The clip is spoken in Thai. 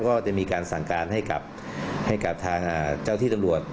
ก็จะมีการสั่งการให้กับทางเจ้าที่ตำรวจ